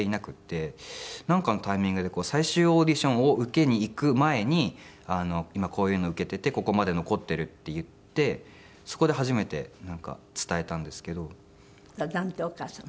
なんかのタイミングで最終オーディションを受けに行く前に「今こういうのを受けていてここまで残っている」って言ってそこで初めて伝えたんですけど。なんて？